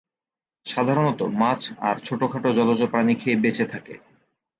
সাধারণত মাছ আর ছোটখাটো জলজ প্রাণী খেয়ে বেঁচে থাকে।